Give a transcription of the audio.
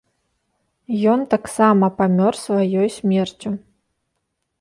Ён таксама памёр сваёй смерцю.